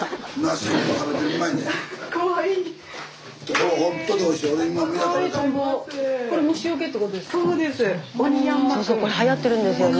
スタジオそうそうこれはやってるんですよね。